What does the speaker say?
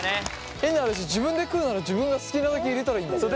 変な話自分で食うなら自分が好きなだけ入れたらいいんだもんね。